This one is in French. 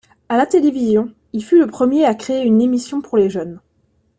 À la télévision, il fut le premier à créer une émission pour les jeunes.